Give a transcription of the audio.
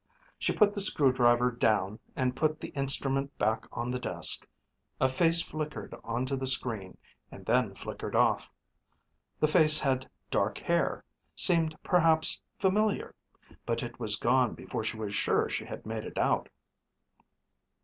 She put the screw driver down and put the instrument back on the desk. A face flickered onto the screen and then flickered off. The face had dark hair, seemed perhaps familiar. But it was gone before she was sure she had made it out.